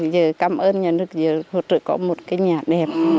giờ cảm ơn nhà nước hỗ trợ có một cái nhà đẹp